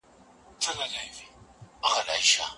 ځینې تعریفونه یوازې پر عاید ولاړ دي.